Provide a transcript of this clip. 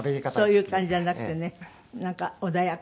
そういう感じじゃなくてねなんか穏やかなね